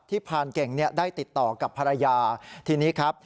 พรานเก่งได้ติดต่อกับภรรยาทีนี้ครับ